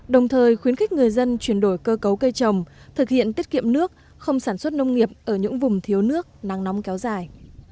đồng thời khuyến khích người dân chuyển đổi cơ cấu cây trồng thực hiện tiết kiệm nước không sản xuất nông nghiệp ở những vùng thiếu nước nắng nóng kéo dài